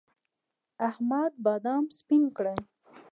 احمد بادام سپين کړل.